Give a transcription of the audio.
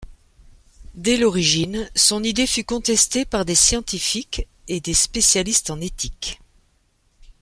Dès l'origine, son idée fut contestée par des scientifiques et des spécialistes en éthique.